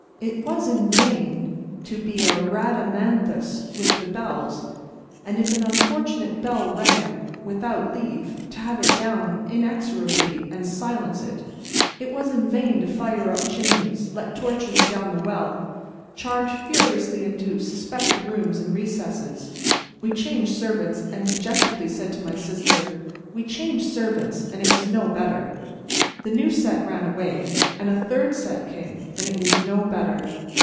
It was in vain to be a Rhadamanthus with the bells, and if an unfortunate bell rang without leave, to have it down inexorably and silence it. It was in vain to fire up chimneys, let torches down the well, charge furiously into suspected rooms and recesses. We changed servants, and it was no better. The new set ran away, and a third set came, and it was no better.